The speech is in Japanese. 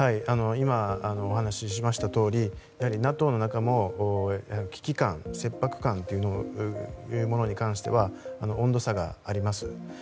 今、お話ししましたとおりＮＡＴＯの中にも危機感切迫感というものに関しては温度差があります。